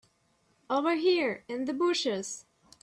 Over here in the bushes.